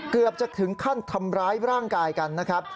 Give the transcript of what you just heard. เกือบจะถึงขั้นทำร้ายร่างกายกันนะครับ